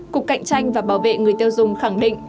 cục cạnh tranh và bảo vệ người tiêu dùng khẳng định